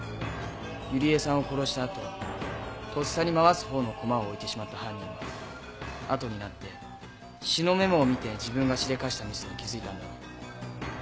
百合恵さんを殺した後とっさに回すほうの独楽を置いてしまった犯人は後になって詩のメモを見て自分がしでかしたミスに気付いたんだろう。